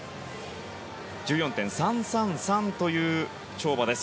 １４．３３３という跳馬です。